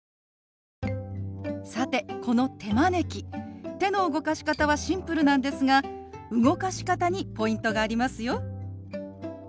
さてこの手招き手の動かし方はシンプルなんですが動かし方にポイントがありますよ。